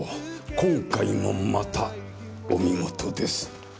今回もまたお見事です。